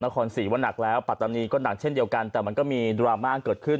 หน้าขอนสีวนักปัจจันทรีย์ก็หนักเช่นเดียวกันแต่มันก็มีดราม่าเกิดขึ้น